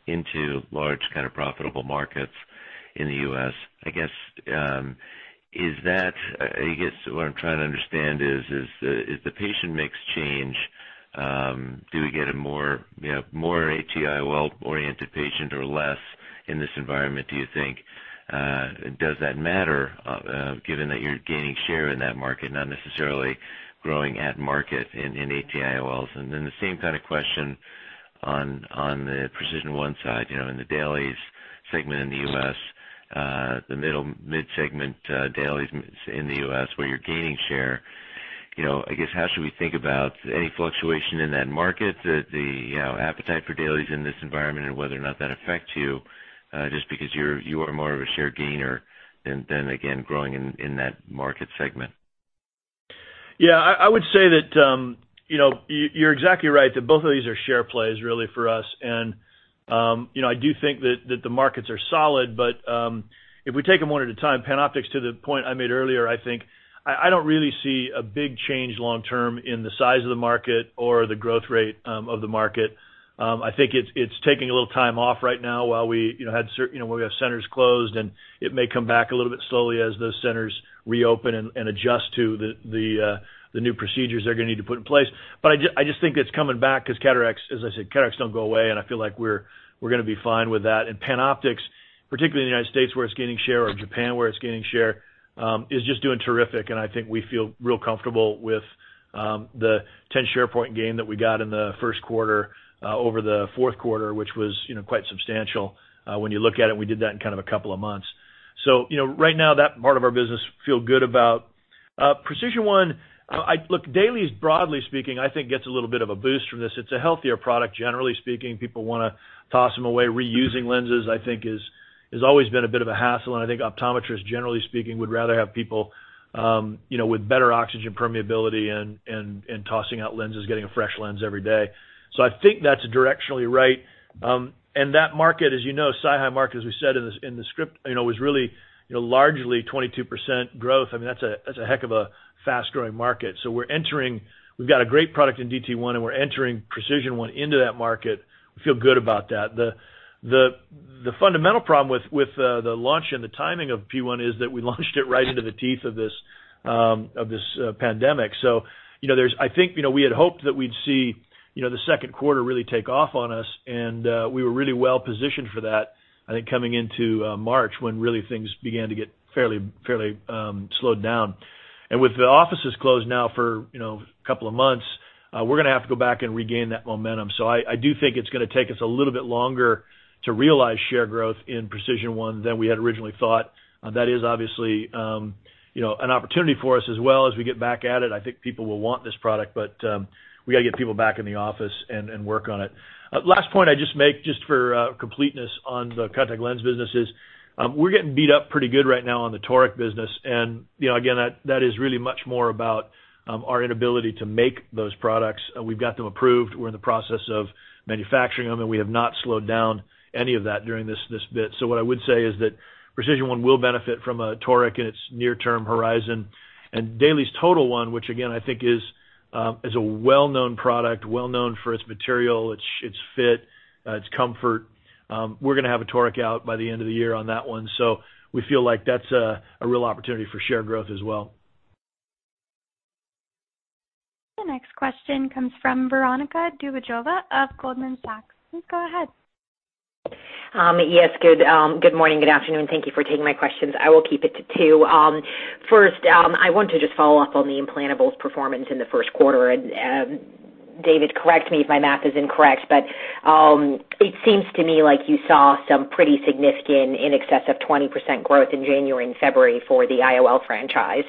into large kind of profitable markets in the U.S. I guess what I'm trying to understand is, if the patient mix change, do we get a more ATIOL-oriented patient or less in this environment, do you think? Does that matter given that you're gaining share in that market, not necessarily growing at market in ATIOLs? The same kind of question on the PRECISION1 side, in the dailies segment in the U.S., the mid-segment dailies in the U.S. where you're gaining share, I guess how should we think about any fluctuation in that market, the appetite for dailies in this environment, and whether or not that affects you, just because you are more of a share gainer than again, growing in that market segment? Yeah. I would say that you're exactly right, that both of these are share plays really for us. I do think that the markets are solid, but if we take them one at a time, PanOptix, to the point I made earlier, I think, I don't really see a big change long term in the size of the market or the growth rate of the market. I think it's taking a little time off right now while we have centers closed, and it may come back a little bit slowly as those centers reopen and adjust to the new procedures they're going to need to put in place. I just think it's coming back because cataracts, as I said, cataracts don't go away, and I feel like we're going to be fine with that. PanOptix, particularly in the U.S. where it's gaining share, or Japan where it's gaining share, is just doing terrific, and I think we feel real comfortable with the 10 share point gain that we got in the first quarter over the fourth quarter, which was quite substantial when you look at it. We did that in kind of a couple of months. Right now, that part of our business feel good about. PRECISION1, look, dailies, broadly speaking, I think, gets a little bit of a boost from this. It's a healthier product, generally speaking. People want to toss them away. Reusing lenses, I think is always been a bit of a hassle, and I think optometrists, generally speaking, would rather have people with better oxygen permeability and tossing out lenses, getting a fresh lens every day. I think that's directionally right. That market, as you know, SiHy market, as we said in the script, was really largely 22% growth. That's a heck of a fast-growing market. We've got a great product in DT1, and we're entering PRECISION1 into that market. We feel good about that. The fundamental problem with the launch and the timing of P1 is that we launched it right into the teeth of this pandemic. I think we had hoped that we'd see the second quarter really take off on us, and we were really well-positioned for that, I think, coming into March, when really things began to get fairly slowed down. With the offices closed now for a couple of months, we're going to have to go back and regain that momentum. I do think it's going to take us a little bit longer to realize share growth in PRECISION1 than we had originally thought. That is obviously an opportunity for us as well. As we get back at it, I think people will want this product, but we got to get people back in the office and work on it. Last point I'd just make just for completeness on the contact lens business is we're getting beat up pretty good right now on the toric business. Again, that is really much more about our inability to make those products. We've got them approved. We're in the process of manufacturing them, and we have not slowed down any of that during this bit. What I would say is that PRECISION1 will benefit from a toric in its near-term horizon. DAILIES TOTAL1, which again, I think is a well-known product, well-known for its material, its fit, its comfort. We're going to have a toric out by the end of the year on that one. We feel like that's a real opportunity for share growth as well. The next question comes from Veronika Dubajova of Goldman Sachs. Please go ahead. Yes. Good morning. Good afternoon. Thank you for taking my questions. I will keep it to two. First, I want to just follow up on the implantables performance in the first quarter. David, correct me if my math is incorrect, but it seems to me like you saw some pretty significant, in excess of 20% growth in January and February for the IOL franchise.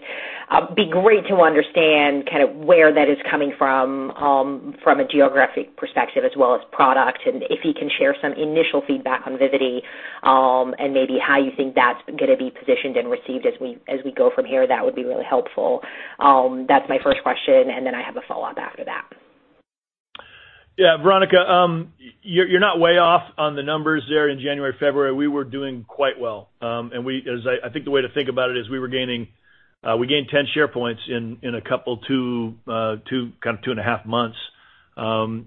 Be great to understand kind of where that is coming from a geographic perspective as well as product, and if you can share some initial feedback on Vivity, and maybe how you think that's going to be positioned and received as we go from here, that would be really helpful. That's my first question, and then I have a follow-up after that. Yeah. Veronika, you're not way off on the numbers there. In January, February, we were doing quite well. I think the way to think about it is we gained 10 share points in a couple two and a half months,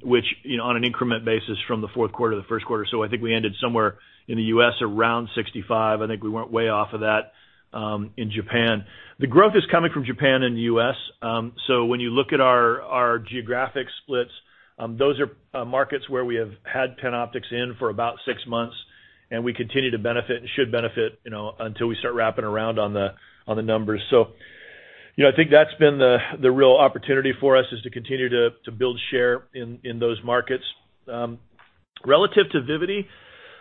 which on an increment basis from the fourth quarter to the first quarter. I think we ended somewhere in the U.S. around 65. I think we weren't way off of that in Japan. The growth is coming from Japan and the U.S. When you look at our geographic splits, those are markets where we have had PanOptix in for about six months, and we continue to benefit and should benefit until we start wrapping around on the numbers. I think that's been the real opportunity for us, is to continue to build share in those markets. Relative to Vivity,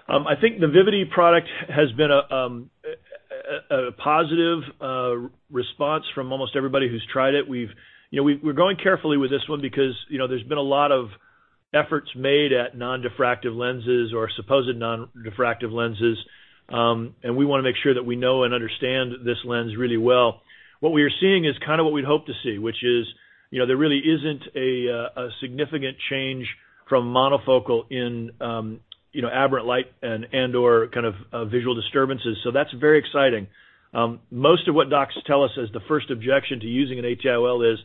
I think the Vivity product has been a positive response from almost everybody who's tried it. We're going carefully with this one because there's been a lot of efforts made at non-diffractive lenses or supposed non-diffractive lenses, and we want to make sure that we know and understand this lens really well. What we are seeing is kind of what we'd hoped to see, which is there really isn't a significant change from monofocal in aberrant light and/or kind of visual disturbances. That's very exciting. Most of what docs tell us as the first objection to using an IOL is,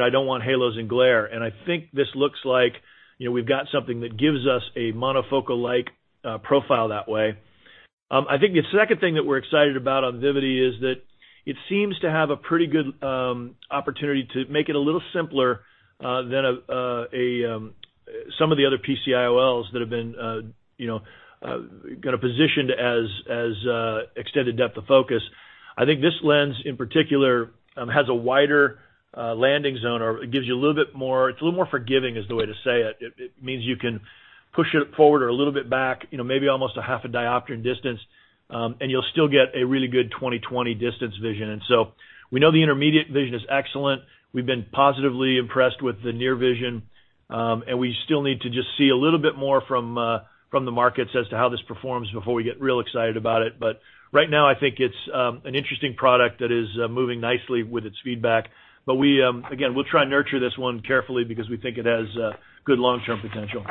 "I don't want halos and glare." I think this looks like we've got something that gives us a monofocal-like profile that way. I think the second thing that we're excited about on Vivity is that it seems to have a pretty good opportunity to make it a little simpler than some of the other PCIOLs that have been kind of positioned as extended depth of focus. I think this lens, in particular, has a wider landing zone, or it gives you a little bit more it's a little more forgiving is the way to say it. It means you can push it forward or a little bit back, maybe almost a half a diopter in distance, and you'll still get a really good 20/20 distance vision. We know the intermediate vision is excellent. We've been positively impressed with the near vision. We still need to just see a little bit more from the markets as to how this performs before we get real excited about it. Right now, I think it's an interesting product that is moving nicely with its feedback. Again, we'll try and nurture this one carefully because we think it has good long-term potential.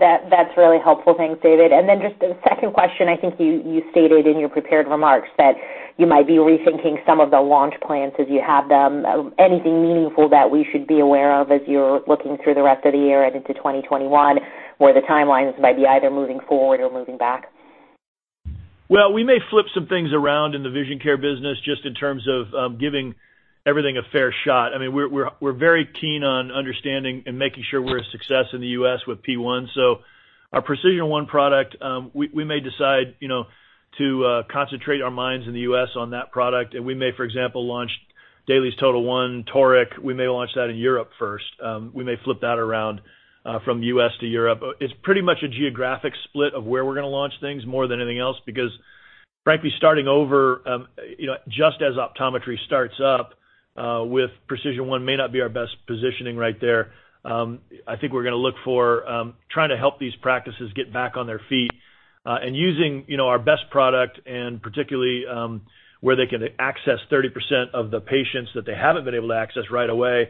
That's really helpful. Thanks, David. Just the second question, I think you stated in your prepared remarks that you might be rethinking some of the launch plans as you have them. Anything meaningful that we should be aware of as you're looking through the rest of the year and into 2021, where the timelines might be either moving forward or moving back? Well, we may flip some things around in the vision care business just in terms of giving everything a fair shot. We're very keen on understanding and making sure we're a success in the U.S. with P1. Our PRECISION1 product, we may decide to concentrate our minds in the U.S. on that product. We may, for example, launch DAILIES TOTAL1 toric, we may launch that in Europe first. We may flip that around from U.S. to Europe. It's pretty much a geographic split of where we're going to launch things more than anything else, because frankly, starting over, just as optometry starts up, with PRECISION1 may not be our best positioning right there. I think we're going to look for trying to help these practices get back on their feet, and using our best product and particularly, where they can access 30% of the patients that they haven't been able to access right away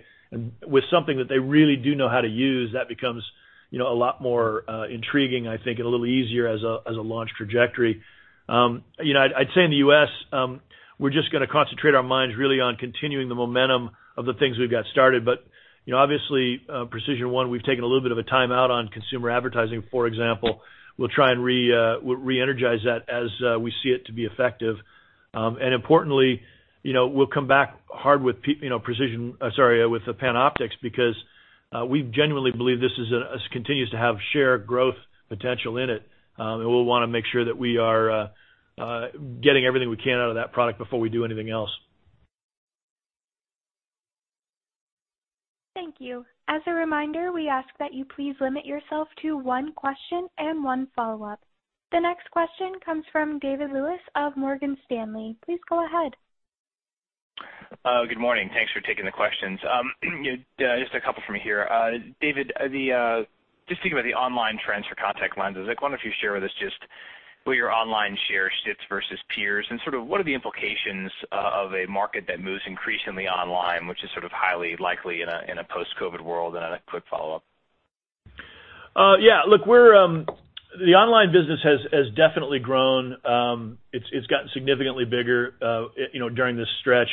with something that they really do know how to use. That becomes a lot more intriguing, I think, and a little easier as a launch trajectory. I'd say in the U.S., we're just going to concentrate our minds really on continuing the momentum of the things we've got started. Obviously, PRECISION1, we've taken a little bit of a timeout on consumer advertising, for example. We'll try and re-energize that as we see it to be effective. Importantly, we'll come back hard with the PanOptix because, we genuinely believe this continues to have share growth potential in it. We'll want to make sure that we are getting everything we can out of that product before we do anything else. Thank you. As a reminder, we ask that you please limit yourself to one question and one follow-up. The next question comes from David Lewis of Morgan Stanley. Please go ahead. Good morning. Thanks for taking the questions. Just a couple from here. David, just thinking about the online trends for contact lenses, I wonder if you'd share with us just where your online share sits versus peers and sort of what are the implications of a market that moves increasingly online, which is sort of highly likely in a post-COVID world? A quick follow-up. Yeah. Look, the online business has definitely grown. It's gotten significantly bigger during this stretch,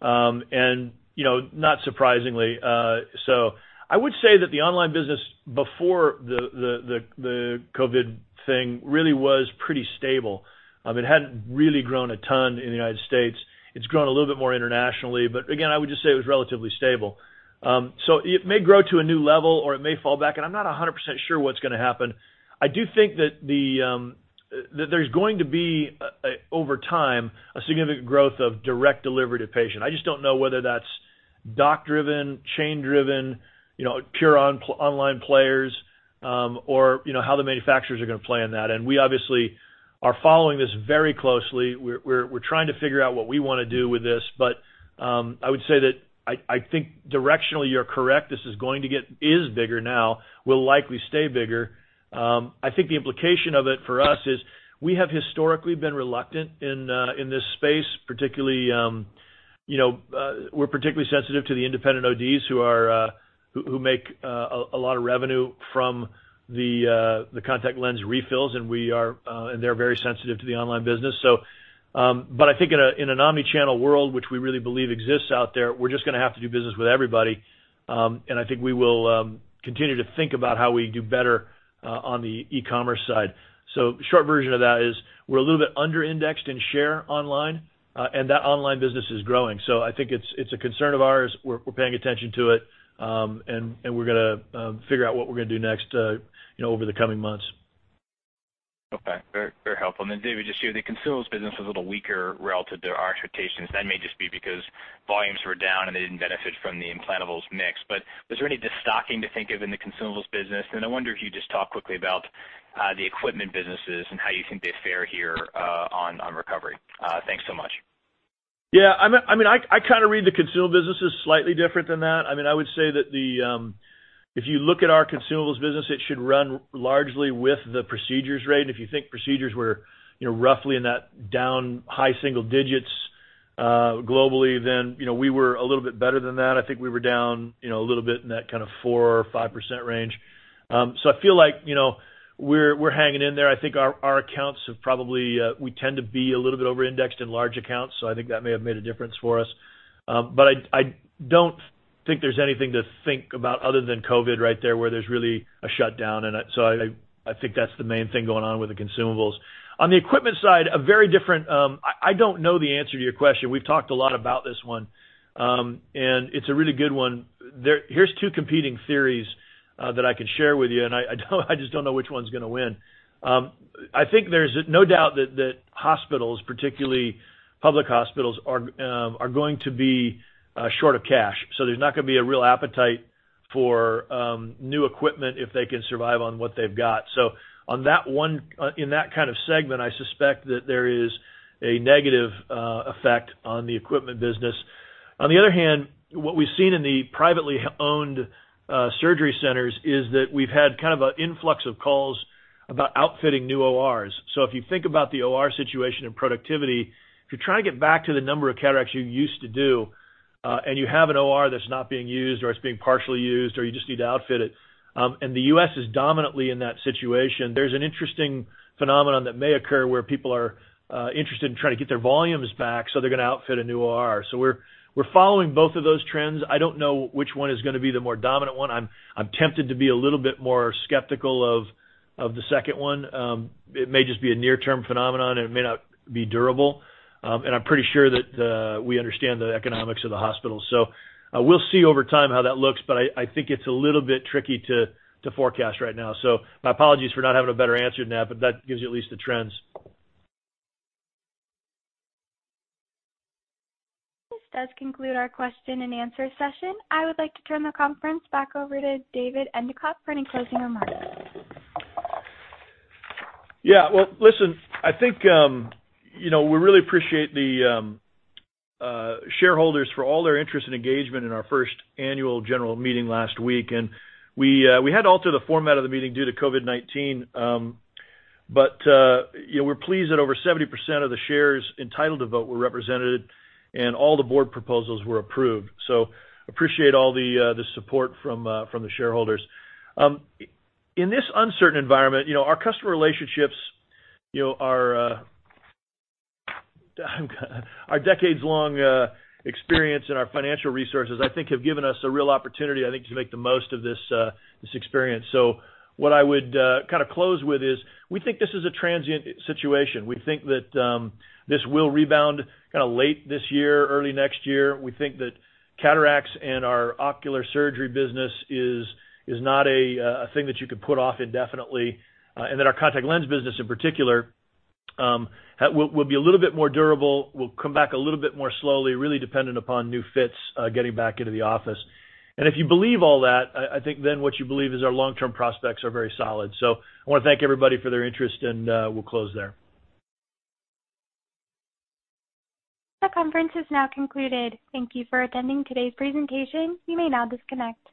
and not surprisingly. I would say that the online business before the COVID-19 thing really was pretty stable. It hadn't really grown a ton in the U.S. It's grown a little bit more internationally, but again, I would just say it was relatively stable. It may grow to a new level or it may fall back, and I'm not 100% sure what's going to happen. I do think that there's going to be, over time, a significant growth of direct delivery to patient. I just don't know whether that's doc driven, chain driven, pure online players, or how the manufacturers are going to play in that. We obviously are following this very closely. We're trying to figure out what we want to do with this. I would say that I think directionally you're correct. This is bigger now, will likely stay bigger. I think the implication of it for us is we have historically been reluctant in this space. We're particularly sensitive to the independent ODs who make a lot of revenue from the contact lens refills, and they're very sensitive to the online business. I think in an omni-channel world, which we really believe exists out there, we're just going to have to do business with everybody. I think we will continue to think about how we do better on the e-commerce side. Short version of that is we're a little bit under-indexed in share online, and that online business is growing. I think it's a concern of ours. We're paying attention to it. We're going to figure out what we're going to do next over the coming months. Okay. Very helpful. David, just here, the consumables business was a little weaker relative to our expectations. That may just be because volumes were down, and they didn't benefit from the implantables mix. Was there any de-stocking to think of in the consumables business? I wonder if you'd just talk quickly about the equipment businesses and how you think they fare here on recovery. Thanks so much. Yeah. I kind of read the consumable business as slightly different than that. I would say that if you look at our consumables business, it should run largely with the procedures rate. If you think procedures were roughly in that down high single digits globally, we were a little bit better than that. I think we were down a little bit in that kind of 4% or 5% range. I feel like we're hanging in there. I think our accounts have We tend to be a little bit over-indexed in large accounts, I think that may have made a difference for us. I don't think there's anything to think about other than COVID-19 right there, where there's really a shutdown. I think that's the main thing going on with the consumables. On the equipment side, I don't know the answer to your question. We've talked a lot about this one. It's a really good one. Here's two competing theories that I can share with you, and I just don't know which one's going to win. I think there's no doubt that hospitals, particularly public hospitals, are going to be short of cash. There's not going to be a real appetite for new equipment if they can survive on what they've got. In that kind of segment, I suspect that there is a negative effect on the equipment business. On the other hand, what we've seen in the privately owned surgery centers is that we've had kind of an influx of calls about outfitting new ORs. If you think about the OR situation and productivity, if you try to get back to the number of cataracts you used to do, and you have an OR that's not being used or it's being partially used or you just need to outfit it, and the U.S. is dominantly in that situation, there's an interesting phenomenon that may occur where people are interested in trying to get their volumes back, so they're going to outfit a new OR. We're following both of those trends. I don't know which one is going to be the more dominant one. I'm tempted to be a little bit more skeptical of the second one. It may just be a near-term phenomenon, and it may not be durable. I'm pretty sure that we understand the economics of the hospital. We'll see over time how that looks, but I think it's a little bit tricky to forecast right now. My apologies for not having a better answer than that, but that gives you at least the trends. This does conclude our question and answer session. I would like to turn the conference back over to David Endicott for any closing remarks. Yeah. Well, listen, I think we really appreciate the shareholders for all their interest and engagement in our first annual general meeting last week. We had to alter the format of the meeting due to COVID-19. We're pleased that over 70% of the shares entitled to vote were represented, and all the board proposals were approved. We appreciate all the support from the shareholders. In this uncertain environment, our customer relationships are our decades-long experience, and our financial resources, I think, have given us a real opportunity, I think, to make the most of this experience. What I would kind of close with is we think this is a transient situation. We think that this will rebound kind of late this year, early next year. We think that cataracts and our ocular surgery business is not a thing that you could put off indefinitely, and that our contact lens business in particular will be a little bit more durable, will come back a little bit more slowly, really dependent upon new fits getting back into the office. If you believe all that, I think then what you believe is our long-term prospects are very solid. I want to thank everybody for their interest, and we'll close there. The conference is now concluded. Thank you for attending today's presentation. You may now disconnect.